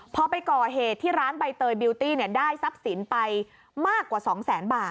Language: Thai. พอไปก่อเหตุที่ร้านใบเตยบิวตี้ได้ทรัพย์สินไปมากกว่า๒แสนบาท